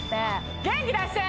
元気出して！